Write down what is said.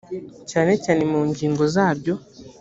cyane cyane mu ngingo zaryo